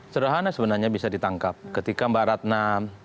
sederhana sebenarnya bisa ditangkap ketika mbak ratna